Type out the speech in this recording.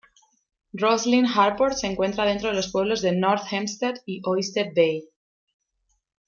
Roslyn Harbor se encuentra dentro de los pueblos de North Hempstead y Oyster Bay.